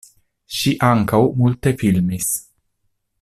Ŝi ankaŭ multe filmis.